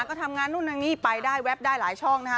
ก็ทำงานนู่นทางนี่ไปได้แป๊บได้หลายช่องนะฮะ